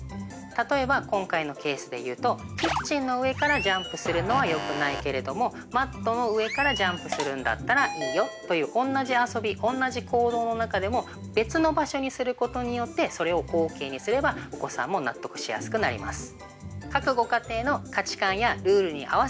例えば今回のケースで言うとキッチンの上からジャンプするのはよくないけれどもマットの上からジャンプするんだったらいいよという同じ遊び同じ行動の中でも別の場所にすることによってそれをオーケーにすればお子さんも納得しやすくなります。